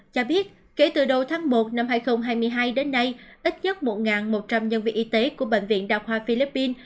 cho biết kể từ đầu tháng một năm hai nghìn hai mươi hai đến nay ít nhất một một trăm linh nhân viên y tế của bệnh viện đa khoa philippines